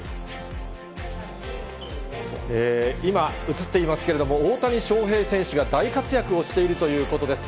今、映っていますけれども、大谷翔平選手が大活躍をしているということです。